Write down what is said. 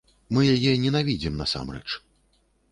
Мы яе ненавідзім насамрэч.